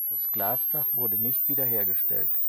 Das Glasdach wurde nicht wieder hergestellt.